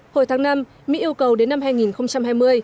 hồi tháng năm mỹ yêu cầu đến năm hai nghìn hai mươi